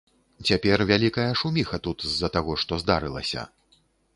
Цяпер вялікая шуміха тут з-за таго, што здарылася.